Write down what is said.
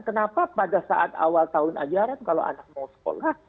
kenapa pada saat awal tahun ajaran kalau anak mau sekolah